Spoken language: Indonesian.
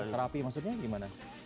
terapi maksudnya gimana